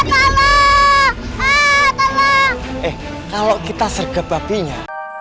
atau lo atau lo kalau kita sergap apinya